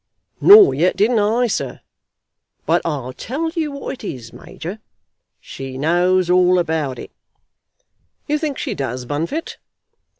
"Nor yet didn't I, sir. But I'll tell you what it is, major. She knows all about it." "You think she does, Bunfit?"